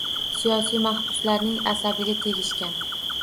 Siyosiy mahbuslarning asabiga tegishgan.